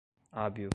hábil